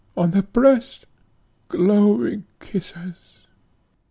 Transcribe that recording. on the breast! glowing kisses!"